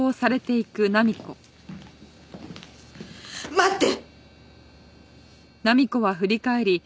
待って！